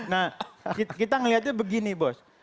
nah kita melihatnya begini bos